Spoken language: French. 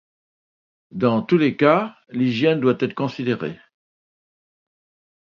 Dans tous les cas, l'hygiène doit être considérée.